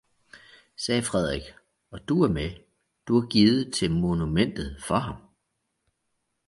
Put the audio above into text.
sagde Frederik, og du er med, du har givet til monumentet for ham!